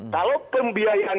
kalau pembiayaan itu terserah